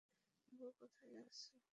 সাম্ভু কোথায় যাচ্ছ!